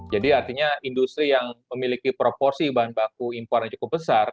jadi artinya industri yang memiliki proporsi bahan baku impor yang cukup besar